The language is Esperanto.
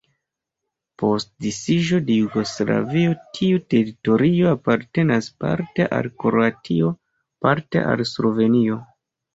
Post disiĝo de Jugoslavio tiu teritorio apartenas parte al Kroatio, parte al Slovenio.